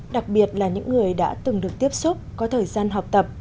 đặc biệt là những người đã từng được tiếp xúc có thời gian học tập